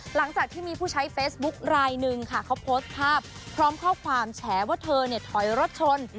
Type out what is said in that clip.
หลังจากที่มีผู้ใช้เฟซบุ๊คลายหนึ่งค่ะเขาโพสต์ภาพพร้อมข้อความแฉว่าเธอเนี่ยถอยรถชน